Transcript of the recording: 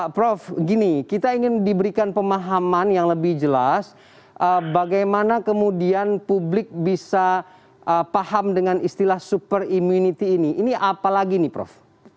prof gini kita ingin diberikan pemahaman yang lebih jelas bagaimana kemudian publik bisa paham dengan istilah super immunity ini ini apalagi nih prof